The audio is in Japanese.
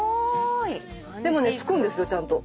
でもねつくんですよちゃんと。